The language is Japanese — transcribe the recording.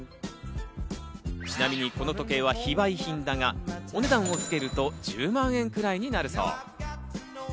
ちなみにこの時計は非売品だが、お値段をつけると１０万円ぐらいになるそう。